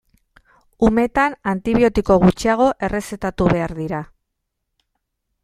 Umetan antibiotiko gutxiago errezetatu behar dira.